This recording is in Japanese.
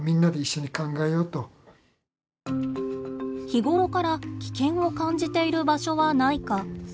日頃から危険を感じている場所はないか。